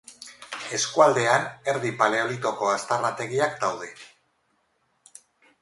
Eskualdean Erdi Paleolitoko aztarnategiak daude.